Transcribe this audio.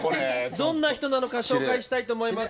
どんな人なのか紹介したいと思います。